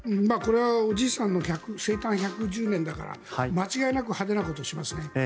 これはおじいさんの生誕１１０年だから間違いなく派手なことをしますね。